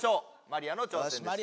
マリアの挑戦です。